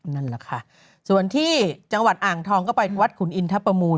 นั่นแหละค่ะส่วนที่จังหวัดอ่างทองก็ไปวัดขุนอินทประมูล